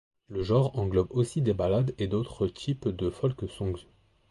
Le genre englobe aussi des ballades et d'autres types de folk songs.